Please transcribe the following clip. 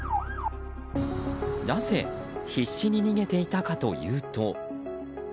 なぜ必死に逃げていたかというと。